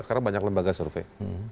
sekarang banyak lembaga survei